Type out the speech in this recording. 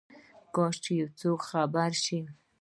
کاشکي یوڅوک خبر شي،